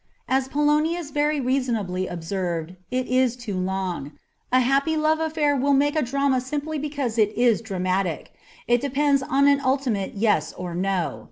As Polonius very reasonably observed, it is too long. A happy love affair will make a drama simply because it is dramatic ; it depends on an ultimate yes or no.